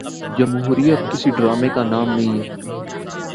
جمہوریت کسی ڈرامے کا نام نہیں ہے۔